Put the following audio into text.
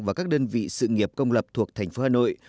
và các đơn vị sự nghiệp công lập thuộc thành phố hà nội